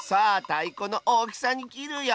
たいこのおおきさにきるよ！